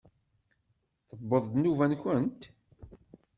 Tewweḍ-d nnuba-nkent?